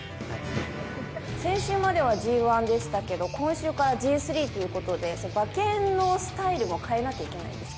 先週まではＧⅠでしたけど今週からＧⅢということで馬券のスタイルも変えなきゃいけないんですか？